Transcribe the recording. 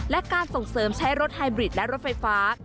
และการส่งเสริมใช้รถไฮบริดและรถไฟฟ้า